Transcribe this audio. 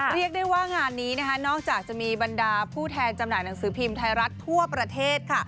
เรียกได้ว่างานนี้นะคะนอกจากจะมีบรรดาผู้แทนจำหน่ายหนังสือพิมพ์ไทยรัฐทั่วประเทศค่ะ